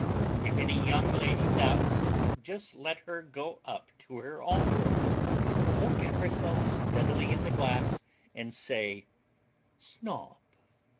If any young lady doubts, just let her go up to her own room, look at herself steadily in the glass, and say 'Snob.'